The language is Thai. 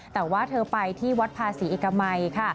แต่ว่าเธอไปที่วัดภาษีเอกมัยค่ะ